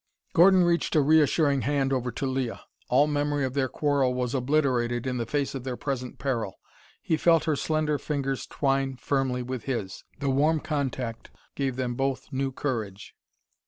Gordon reached a reassuring hand over to Leah. All memory of their quarrel was obliterated in the face of their present peril. He felt her slender fingers twine firmly with his. The warm contact gave them both new courage.